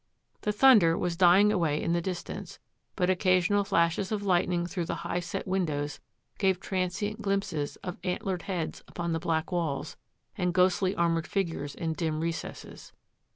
The thunder was dying away in the distance, but occasional flashes of lightning through the high set windows gave transient glimpses of ant lered heads upon the black walls and ghostly ar moured figures in dim recesses.